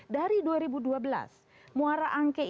dari dua ribu dua belas muara angke itu terbang